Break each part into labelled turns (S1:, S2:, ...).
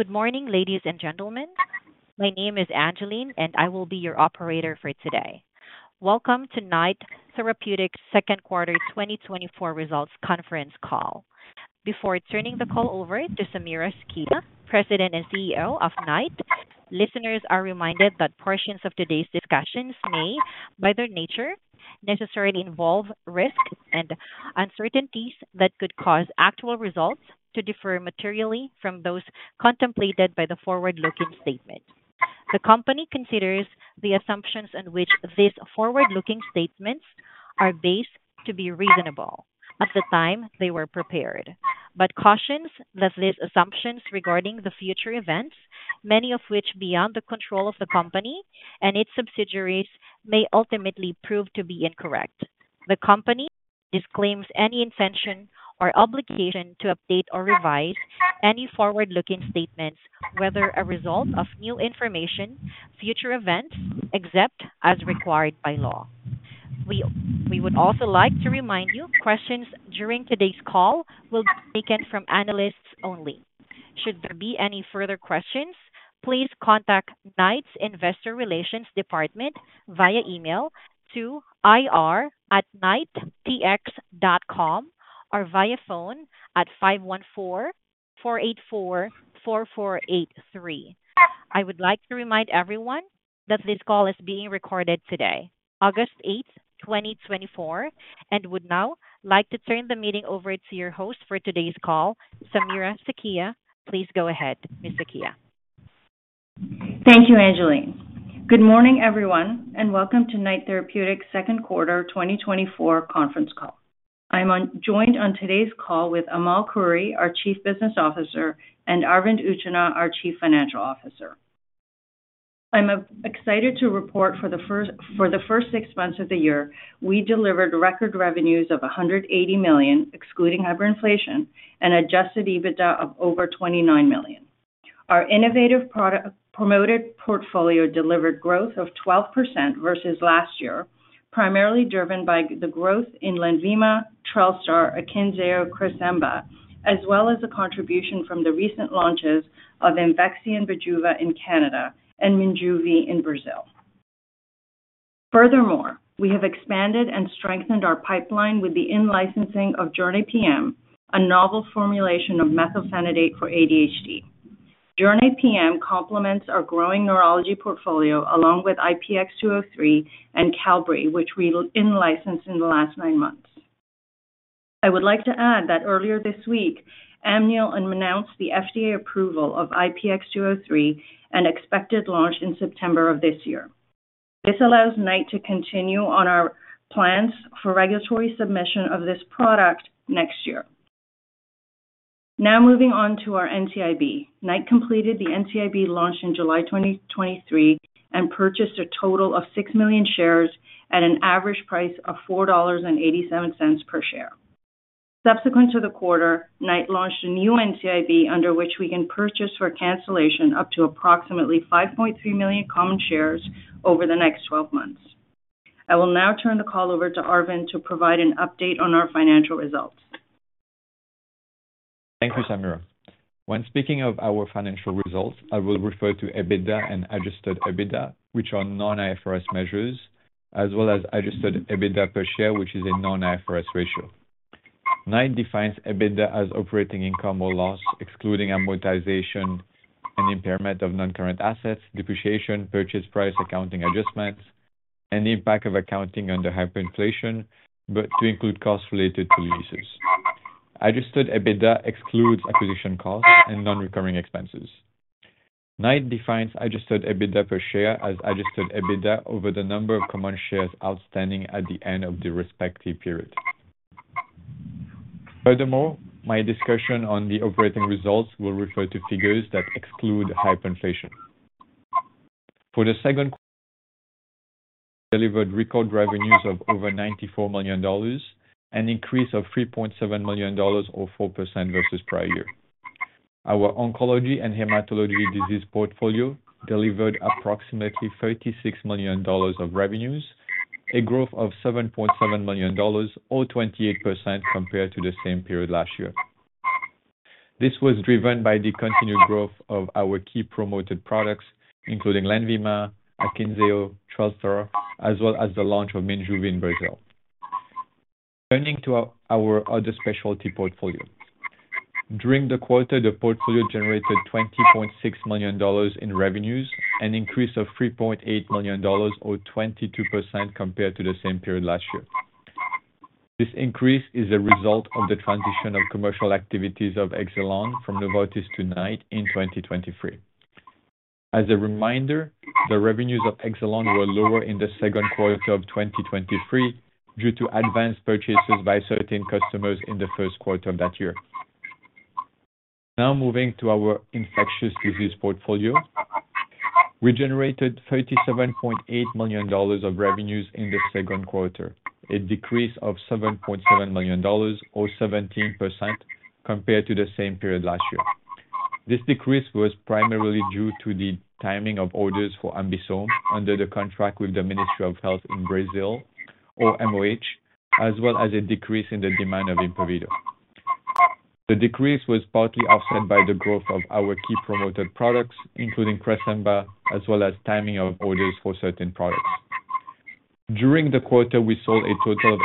S1: Good morning, ladies and gentlemen. My name is Angeline, and I will be your operator for today. Welcome to Knight Therapeutics' second quarter 2024 results conference call. Before turning the call over to Samira Sakhia, President and CEO of Knight, listeners are reminded that portions of today's discussions may, by their nature, necessarily involve risks and uncertainties that could cause actual results to differ materially from those contemplated by the forward-looking statement. The company considers the assumptions on which these forward-looking statements are based to be reasonable at the time they were prepared, but cautions that these assumptions regarding the future events, many of which beyond the control of the company and its subsidiaries, may ultimately prove to be incorrect. The company disclaims any intention or obligation to update or revise any forward-looking statements, whether a result of new information, future events, except as required by law. We would also like to remind you, questions during today's call will be taken from analysts only. Should there be any further questions, please contact Knight's Investor Relations Department via email to ir@knighttx.com or via phone at 514-484-4483. I would like to remind everyone that this call is being recorded today, August 8, 2024, and would now like to turn the meeting over to your host for today's call, Samira Sakhia. Please go ahead, Ms. Sakhia.
S2: Thank you, Angeline. Good morning, everyone, and welcome to Knight Therapeutics' second quarter 2024 conference call. I'm joined on today's call with Amal Khoury, our Chief Business Officer, and Arvind Uchila, our Chief Financial Officer. I'm excited to report for the first six months of the year, we delivered record revenues of 180 million, excluding hyperinflation, and Adjusted EBITDA of over 29 million. Our innovative product-promoted portfolio delivered growth of 12% versus last year, primarily driven by the growth in LENVIMA, TRELSTAR, AKYNZEO, CRESEMBA, as well as the contribution from the recent launches of IMVEXXY and BIJUVA in Canada and MINJUVI in Brazil. Furthermore, we have expanded and strengthened our pipeline with the in-licensing of JORNAY PM, a novel formulation of methylphenidate for ADHD. Jornay PM complements our growing neurology portfolio, along with IPX203 and Qelbree, which we in-licensed in the last nine months. I would like to add that earlier this week, Amneal announced the FDA approval of IPX203 and expected launch in September of this year. This allows Knight to continue on our plans for regulatory submission of this product next year. Now, moving on to our NCIB. Knight completed the NCIB launch in July 2023 and purchased a total of 6 million shares at an average price of 4.87 dollars per share. Subsequent to the quarter, Knight launched a new NCIB under which we can purchase for cancellation up to approximately 5.3 million common shares over the next 12 months. I will now turn the call over to Arvind to provide an update on our financial results.
S3: Thank you, Samira. When speaking of our financial results, I will refer to EBITDA and Adjusted EBITDA, which are non-IFRS measures, as well as Adjusted EBITDA per share, which is a non-IFRS ratio. Knight defines EBITDA as operating income or loss, excluding amortization and impairment of non-current assets, depreciation, purchase price accounting adjustments, and the impact of accounting under hyperinflation, but to include costs related to leases. Adjusted EBITDA excludes acquisition costs and non-recurring expenses. Knight defines Adjusted EBITDA per share as Adjusted EBITDA over the number of common shares outstanding at the end of the respective period. Furthermore, my discussion on the operating results will refer to figures that exclude hyperinflation. For the second quarter, delivered record revenues of over 94 million dollars, an increase of 3.7 million dollars, or 4% versus prior year. Our oncology and hematology disease portfolio delivered approximately 36 million dollars of revenues, a growth of 7.7 million dollars, or 28% compared to the same period last year. This was driven by the continued growth of our key promoted products, including LENVIMA, AKYNZEO, TRELSTAR, as well as the launch of MINJUVI in Brazil. Turning to our other specialty portfolio. During the quarter, the portfolio generated 20.6 million dollars in revenues, an increase of 3.8 million dollars, or 22% compared to the same period last year. This increase is a result of the transition of commercial activities of EXELON from Novartis to Knight in 2023. As a reminder, the revenues of EXELON were lower in the second quarter of 2023 due to advanced purchases by certain customers in the first quarter of that year. Now, moving to our infectious disease portfolio. We generated 37.8 million dollars of revenues in the second quarter, a decrease of 7.7 million dollars, or 17%, compared to the same period last year. This decrease was primarily due to the timing of orders for AMBISOME under the contract with the Ministry of Health in Brazil, or MOH, as well as a decrease in the demand of Impavido. The decrease was partly offset by the growth of our key promoted products, including CRESEMBA, as well as timing of orders for certain products. During the quarter, we sold a total of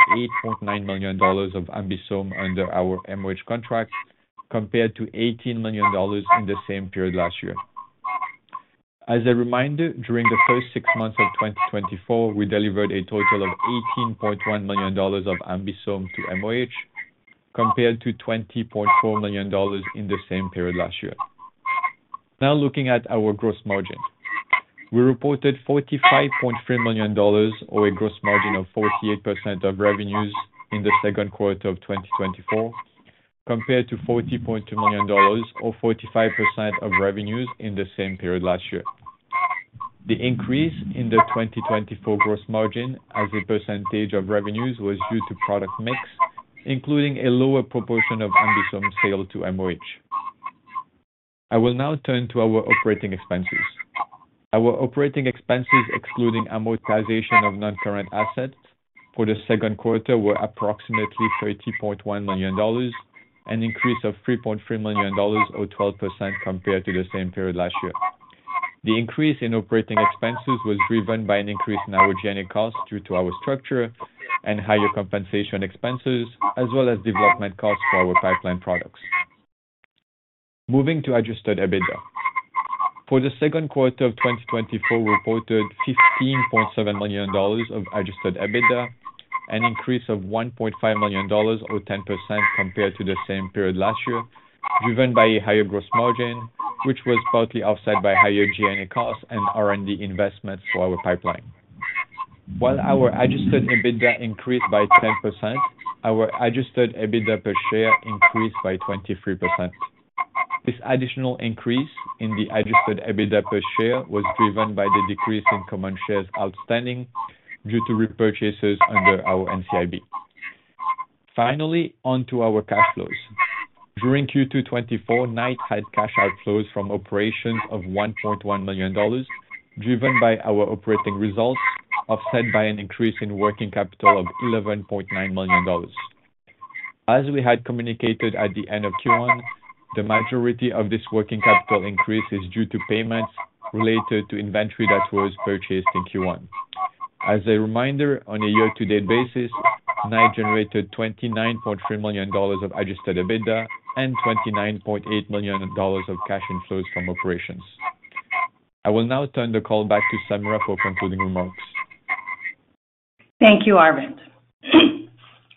S3: 8.9 million dollars of AMBISOME under our MOH contract, compared to 18 million dollars in the same period last year. As a reminder, during the first six months of 2024, we delivered a total of CAD 18.1 million of AMBISOME to MOH, compared to CAD 20.4 million in the same period last year. Now, looking at our gross margin. We reported 45.3 million dollars, or a gross margin of 48% of revenues in the second quarter of 2024, compared to 40.2 million dollars or 45% of revenues in the same period last year. The increase in the 2024 gross margin as a percentage of revenues was due to product mix, including a lower proportion of Ambisome sale to MOH. I will now turn to our operating expenses. Our operating expenses, excluding amortization of non-current assets for the second quarter, were approximately 30.1 million dollars, an increase of 3.3 million dollars, or 12% compared to the same period last year. The increase in operating expenses was driven by an increase in our general costs due to our structure and higher compensation expenses, as well as development costs for our pipeline products. Moving to adjusted EBITDA. For the second quarter of 2024, we reported 15.7 million dollars of adjusted EBITDA, an increase of 1.5 million dollars or 10% compared to the same period last year, driven by a higher gross margin, which was partly offset by higher G&A costs and R&D investments for our pipeline. While our adjusted EBITDA increased by 10%, our adjusted EBITDA per share increased by 23%. This additional increase in the adjusted EBITDA per share was driven by the decrease in common shares outstanding due to repurchases under our NCIB. Finally, on to our cash flows. During Q2 2024, Knight had cash outflows from operations of 1.1 million dollars, driven by our operating results, offset by an increase in working capital of 11.9 million dollars. As we had communicated at the end of Q1, the majority of this working capital increase is due to payments related to inventory that was purchased in Q1. As a reminder, on a year-to-date basis, Knight generated 29.3 million dollars of adjusted EBITDA and 29.8 million dollars of cash inflows from operations. I will now turn the call back to Samira for concluding remarks.
S2: Thank you, Arvind.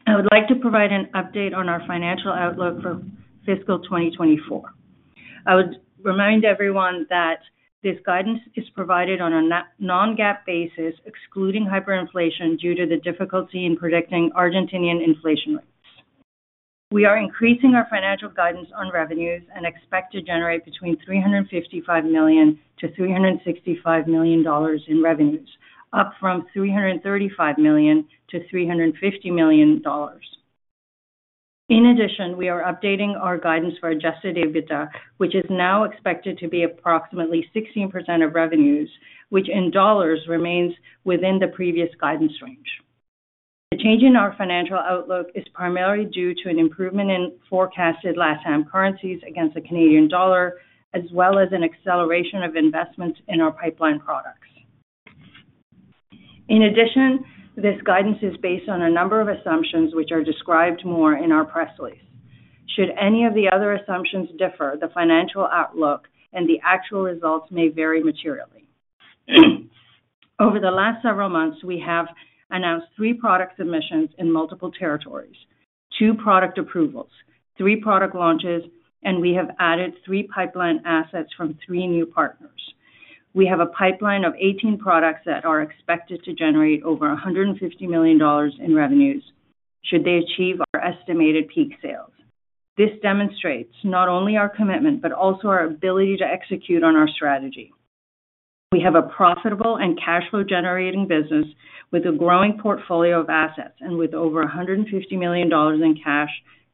S2: I would like to provide an update on our financial outlook for fiscal 2024. I would remind everyone that this guidance is provided on a non-GAAP basis, excluding hyperinflation, due to the difficulty in predicting Argentinian inflation rates. We are increasing our financial guidance on revenues and expect to generate between 355 million and 365 million dollars in revenues, up from 335 million to 350 million dollars. In addition, we are updating our guidance for adjusted EBITDA, which is now expected to be approximately 16% of revenues, which in dollars remains within the previous guidance range. The change in our financial outlook is primarily due to an improvement in forecasted LatAm currencies against the Canadian dollar, as well as an acceleration of investments in our pipeline products. In addition, this guidance is based on a number of assumptions, which are described more in our press release. Should any of the other assumptions differ, the financial outlook and the actual results may vary materially. Over the last several months, we have announced 3 product submissions in multiple territories, 2 product approvals, 3 product launches, and we have added 3 pipeline assets from 3 new partners. We have a pipeline of 18 products that are expected to generate over 150 million dollars in revenues, should they achieve our estimated peak sales. This demonstrates not only our commitment, but also our ability to execute on our strategy. We have a profitable and cash flow-generating business with a growing portfolio of assets and with over 150 million dollars in cash,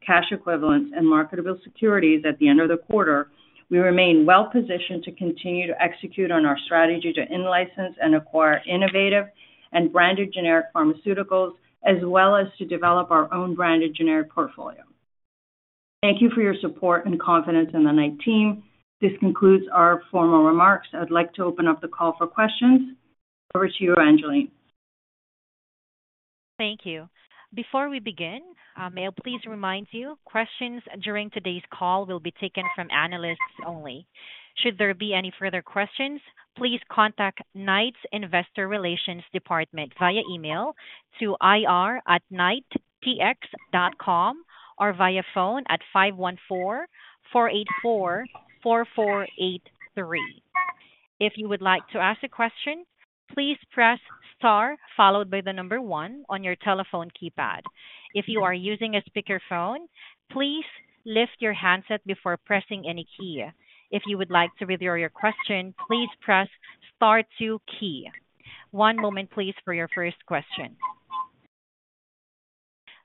S2: cash equivalents, and marketable securities at the end of the quarter, we remain well positioned to continue to execute on our strategy to in-license and acquire innovative and branded generic pharmaceuticals, as well as to develop our own branded generic portfolio. Thank you for your support and confidence in the Knight team. This concludes our formal remarks. I'd like to open up the call for questions. Over to you, Angeline.
S1: Thank you. Before we begin, may I please remind you, questions during today's call will be taken from analysts only. Should there be any further questions, please contact Knight's Investor Relations Department via email to ir@knighttx.com, or via phone at 514-484-4483. If you would like to ask a question, please press star followed by the number 1 on your telephone keypad. If you are using a speakerphone, please lift your handset before pressing any key. If you would like to withdraw your question, please press star 2 key. One moment, please, for your first question.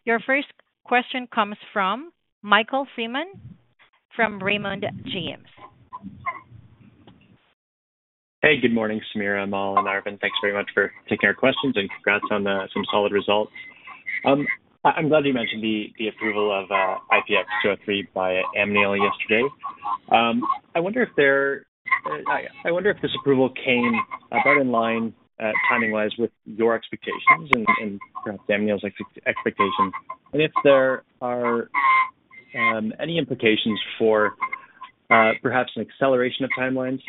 S1: Your first question comes from Michael Freeman, from Raymond James.
S4: Hey, good morning, Samira, Amal, and Arvind. Thanks very much for taking our questions, and congrats on the some solid results. I'm glad you mentioned the approval of IPX-203 by Amneal yesterday. I wonder if this approval came about in line timing-wise with your expectations and perhaps Amneal's expectations, and if there are any implications for perhaps an acceleration of timelines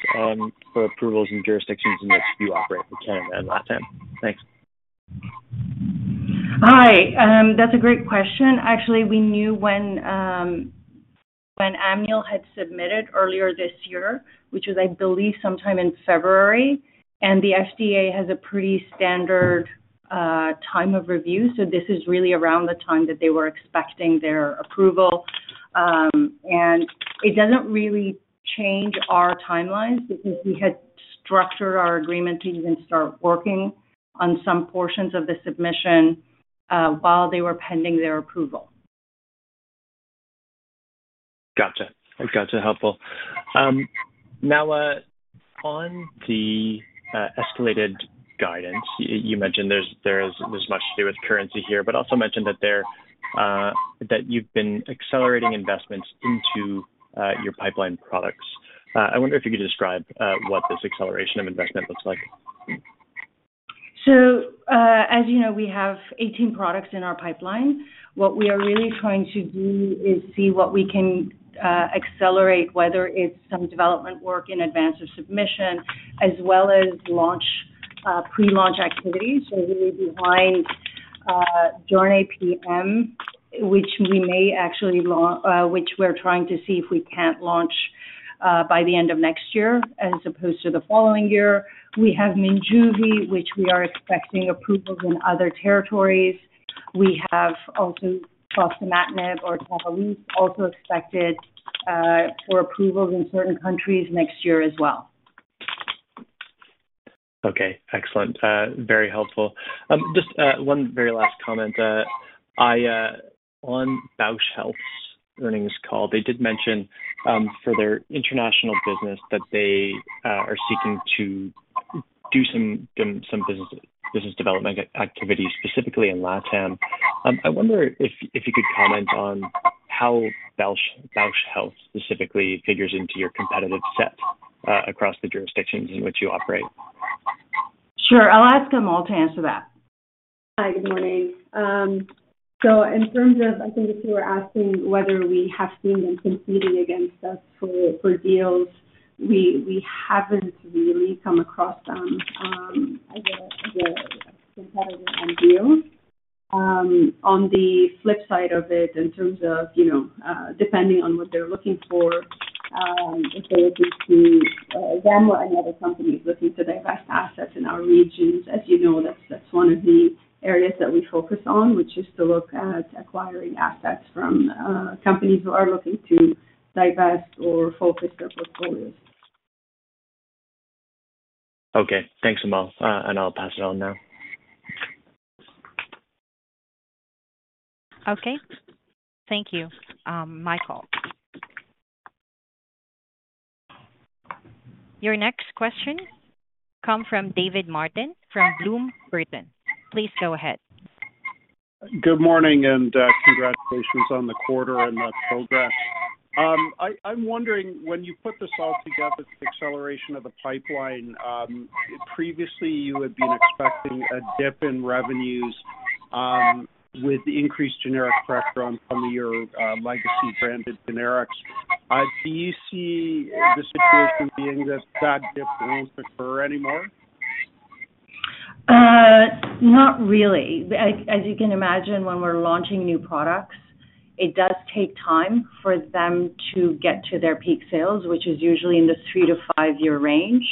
S4: for approvals in jurisdictions in which you operate for Canada and LatAm? Thanks.
S2: Hi. That's a great question. Actually, we knew when Amneal had submitted earlier this year, which was, I believe, sometime in February, and the FDA has a pretty standard time of review. So this is really around the time that they were expecting their approval. And it doesn't really change our timelines because we had structured our agreement to even start working on some portions of the submission while they were pending their approval.
S4: Gotcha. Gotcha, helpful. Now, on the escalated guidance, you mentioned there's much to do with currency here, but also mentioned that you've been accelerating investments into your pipeline products. I wonder if you could describe what this acceleration of investment looks like.
S2: So, as you know, we have 18 products in our pipeline. What we are really trying to do is see what we can accelerate, whether it's some development work in advance of submission, as well as launch pre-launch activities. So really behind JORNAY PM, which we're trying to see if we can't launch by the end of next year as opposed to the following year. We have MINJUVI, which we are expecting approvals in other territories. We have also fostamatinib or TAVNEOS, also expected for approvals in certain countries next year as well.
S4: Okay, excellent. Very helpful. Just one very last comment. On Bausch Health's earnings call, they did mention, for their international business, that they are seeking to do some business development activities, specifically in LatAm. I wonder if you could comment on how Bausch Health specifically figures into your competitive set, across the jurisdictions in which you operate?
S2: Sure. I'll ask Amal to answer that.
S5: Hi, good morning. So in terms of, I think, if you were asking whether we have seen them competing against us for deals, we haven't really come across them as a competitor on deals. On the flip side of it, in terms of, you know, depending on what they're looking for, if they're looking to them or any other companies looking to divest assets in our regions, as you know, that's one of the areas that we focus on, which is to look at acquiring assets from companies who are looking to divest or focus their portfolios.
S4: Okay, thanks, Amal. And I'll pass it on now.
S1: Okay. Thank you, Michael. Your next question comes from David Martin from Bloom Burton. Please go ahead.
S6: Good morning, and, congratulations on the quarter and the progress. I'm wondering, when you put this all together, the acceleration of the pipeline, previously you had been expecting a dip in revenues, with increased generic pressure on some of your, legacy branded generics. Do you see the situation being that that dip won't occur anymore?
S2: Not really. As you can imagine, when we're launching new products, it does take time for them to get to their peak sales, which is usually in the 3-5-year range.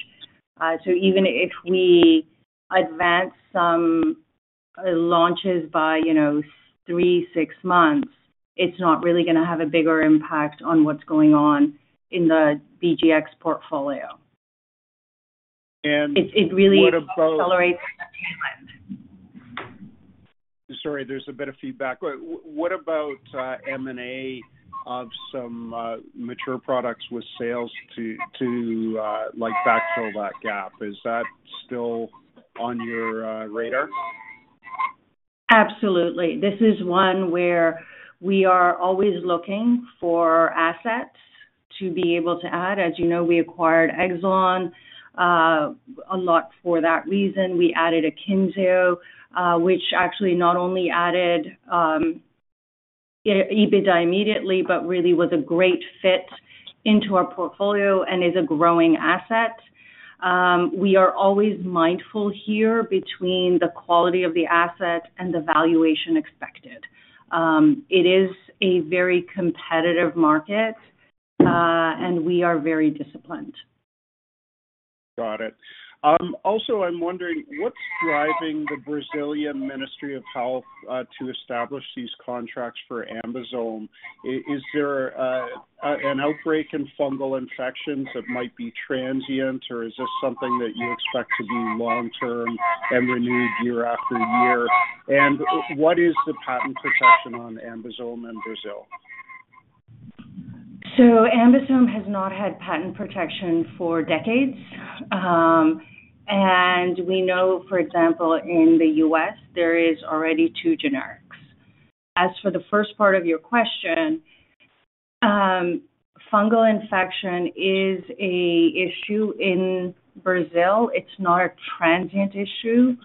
S2: So even if we advance some launches by, you know, 3, 6 months, it's not really gonna have a bigger impact on what's going on in the BGX portfolio.
S6: And what about-
S2: It really accelerates the timeline.
S6: Sorry, there's a bit of feedback. What about M&A of some mature products with sales to like backfill that gap? Is that still on your radar?
S2: Absolutely. This is one where we are always looking for assets to be able to add. As you know, we acquired EXELON, a lot for that reason. We added AKYNZEO, which actually not only added EBITDA immediately, but really was a great fit into our portfolio and is a growing asset. We are always mindful here between the quality of the asset and the valuation expected. It is a very competitive market, and we are very disciplined.
S6: Got it. Also, I'm wondering, what's driving the Brazilian Ministry of Health to establish these contracts for Ambisome? Is there an outbreak in fungal infections that might be transient, or is this something that you expect to be long term and renewed year after year? And what is the patent protection on Ambisome in Brazil?...
S2: So AMBISOME has not had patent protection for decades. And we know, for example, in the U.S., there is already two generics. As for the first part of your question, fungal infection is a issue in Brazil. It's not a transient issue.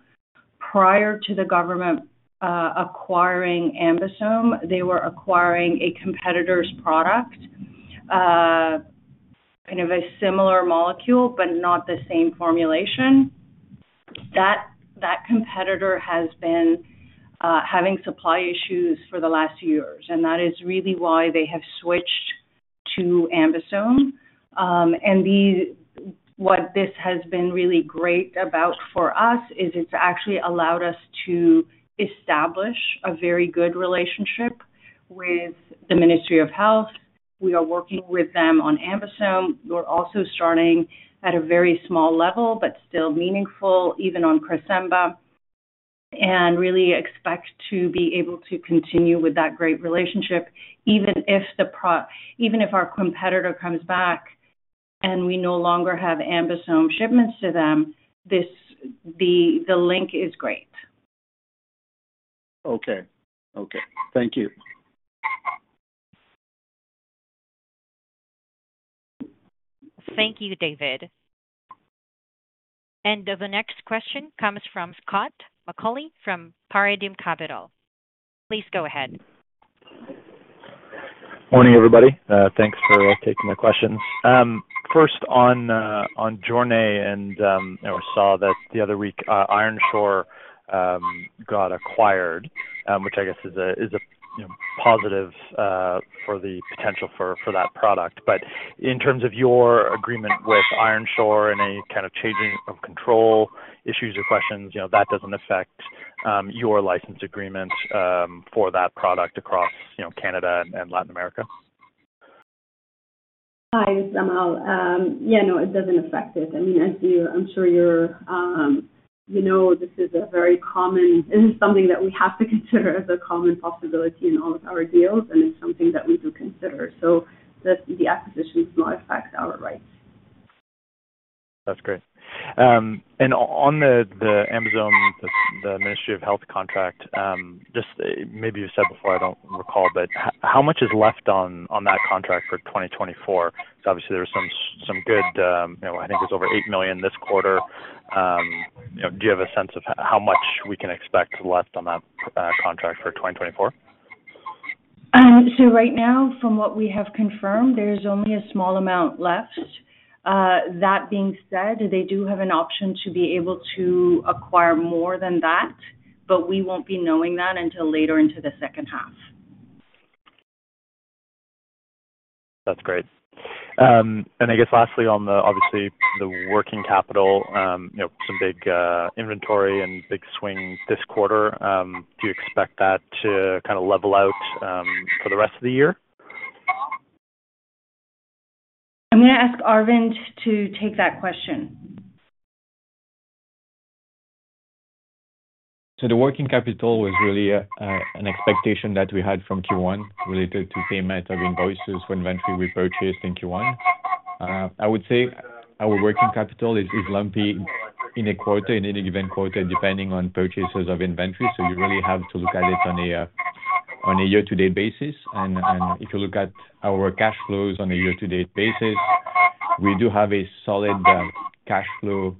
S2: Prior to the government acquiring AMBISOME, they were acquiring a competitor's product, kind of a similar molecule, but not the same formulation. That competitor has been having supply issues for the last years, and that is really why they have switched to AMBISOME. And what this has been really great about for us is it's actually allowed us to establish a very good relationship with the Ministry of Health. We are working with them on AMBISOME. We're also starting at a very small level, but still meaningful, even on CRESEMBA, and really expect to be able to continue with that great relationship, even if our competitor comes back and we no longer have AMBISOME shipments to them, this, the link is great.
S7: Okay. Okay. Thank you.
S1: Thank you, David. The next question comes from Scott McAuley from Paradigm Capital. Please go ahead.
S8: Morning, everybody. Thanks for taking the questions. First, on Jornay and, you know, we saw that the other week, Ironshore got acquired, which I guess is a positive for the potential for that product. But in terms of your agreement with Ironshore and any kind of changing of control issues or questions, you know, that doesn't affect your license agreement for that product across, you know, Canada and Latin America?
S5: Hi, this is Amal. Yeah, no, it doesn't affect it. I mean, as you-- I'm sure you're, you know, this is a very common... This is something that we have to consider as a common possibility in all of our deals, and it's something that we do consider. So the acquisition does not affect our rights.
S8: That's great. And on the AMBISOME, the Ministry of Health contract, just maybe you said before, I don't recall, but how much is left on that contract for 2024? Because obviously there was some good, you know, I think it was over 8 million this quarter. You know, do you have a sense of how much we can expect left on that contract for 2024?
S2: So right now, from what we have confirmed, there is only a small amount left. That being said, they do have an option to be able to acquire more than that, but we won't be knowing that until later into the second half.
S8: That's great. And I guess lastly, on the, obviously, the working capital, you know, some big inventory and big swing this quarter, do you expect that to kind of level out, for the rest of the year?
S2: I'm going to ask Arvind to take that question.
S3: So the working capital was really an expectation that we had from Q1 related to payment of invoices for inventory we purchased in Q1. I would say our working capital is lumpy in a quarter, in any given quarter, depending on purchases of inventory, so you really have to look at it on a year-to-date basis. And if you look at our cash flows on a year-to-date basis, we do have a solid cash flow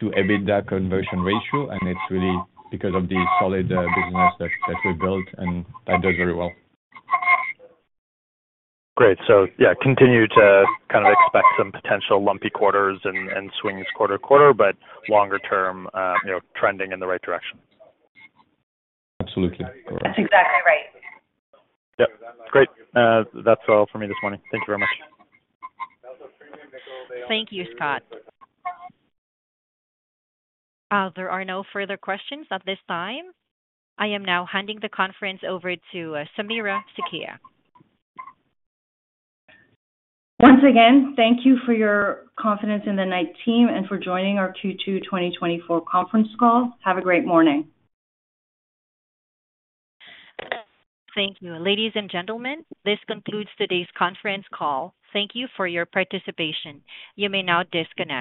S3: to EBITDA conversion ratio, and it's really because of the solid business that we built, and that does very well.
S8: Great. So yeah, continue to kind of expect some potential lumpy quarters and swings quarter to quarter, but longer term, you know, trending in the right direction?
S3: Absolutely.
S2: That's exactly right.
S8: Yeah. Great. That's all for me this morning. Thank you very much.
S1: Thank you, Scott. There are no further questions at this time. I am now handing the conference over to, Samira Sakhia.
S2: Once again, thank you for your confidence in the Knight team and for joining our Q2 2024 conference call. Have a great morning.
S1: Thank you. Ladies and gentlemen, this concludes today's conference call. Thank you for your participation. You may now disconnect.